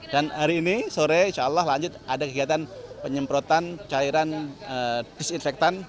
dan hari ini sore insya allah lanjut ada kegiatan penyemprotan cairan disinfektan